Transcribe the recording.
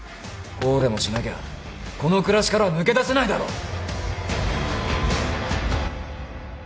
こうでもしなきゃこの暮らしからは抜け出せないだろ！